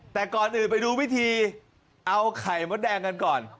แต่ก่อนอื่นไปดูวิธีเอาไข่มดแดงกันก่อน